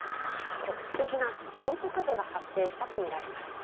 局地的な広戸風が発生したと見られます。